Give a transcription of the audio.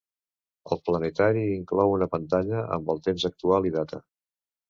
El planetari inclou una pantalla amb el temps actual i data.